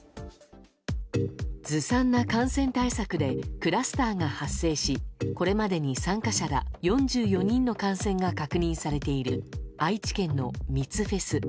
ずさんな感染対策でクラスターが発生しこれまでに参加者ら４４人の感染が確認されている愛知県の密フェス。